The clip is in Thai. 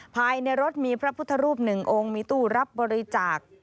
ภายในรถมีพระพุทธรูปหนึ่งองค์มีตู้รับบริจาค